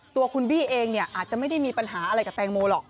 ตัวคุณบี้เองเนี่ยอาจจะไม่ได้มีปัญหาอะไรกับแตงโมหรอก